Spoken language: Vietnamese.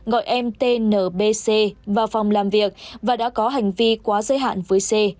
gọi em t n b c vào phòng làm việc và đã có hành vi quá giới hạn với c